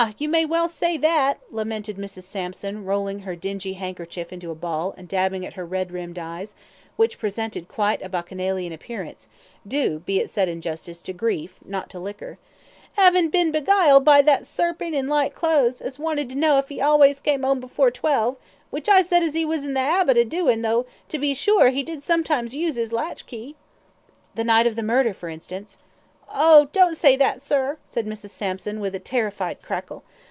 you may well say that," lamented Mrs. Sampson, rolling her dingy handkerchief into a ball, and dabbing at her red rimmed eyes, which presented quite a bacchanalian appearance, due, be it said in justice, to grief, not to liquor. "'Avin' bin beguiled by that serping in light clothes as wanted to know if 'e allays come 'ome afore twelve, which I said 'e was in the 'abit of doin', tho', to be sure, 'e did sometimes use 'is latch key." "The night of the murder, for instance." "Oh! don't say that, sir," said Mrs. Sampson, with a terrified crackle.